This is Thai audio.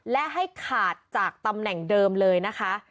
และให้ขาดจากตำแหน่งเดิมเลยนะคะ